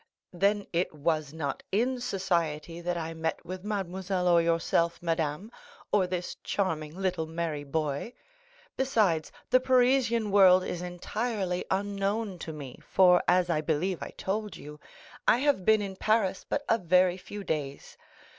"Then it was not in society that I met with mademoiselle or yourself, madame, or this charming little merry boy. Besides, the Parisian world is entirely unknown to me, for, as I believe I told you, I have been in Paris but very few days.